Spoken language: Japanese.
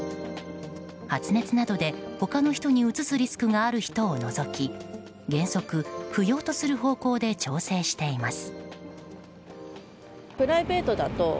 発熱などで、他の人にうつすリスクがある人を除き原則不要とする方向で調整しています。